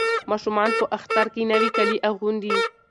ماشومان په اختر کې نوي کالي اغوندي.